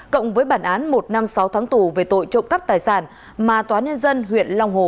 cộng với bản án một năm sáu tháng tù về tội trộm cắp tài sản mà tòa nhân dân huyện long hồ